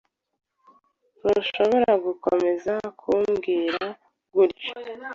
Ntushobora gukomeza kumbwira gutya.